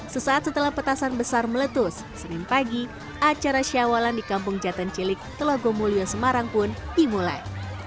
sesaat setelah petasan besar meletus senin pagi acara syawalan di kampung jatan cilik telago mulyo semarang pun dimulai